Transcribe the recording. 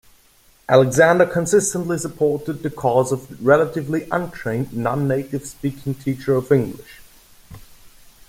Alexander consistently supported the cause of the relatively untrained non-native speaking teacher of English.